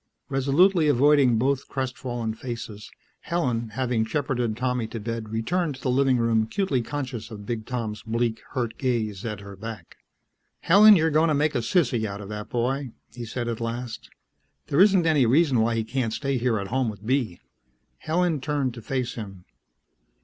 Resolutely avoiding both crestfallen faces, Helen, having shepherded Tommy to bed, returned to the living room acutely conscious of Big Tom's bleak, hurt gaze at her back. "Helen, you're going to make a sissy out of the boy," he said at last. "There isn't any reason why he can't stay here at home with Bee." Helen turned to face him.